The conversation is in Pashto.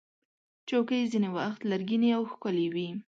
چوکۍ ځینې وخت لرګینې او ښکلې وي.